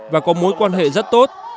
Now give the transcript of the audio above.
và có mối quan hệ rất tốt